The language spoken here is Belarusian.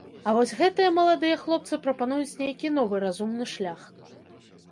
А вось гэтыя маладыя хлопцы прапануюць нейкі новы разумны шлях.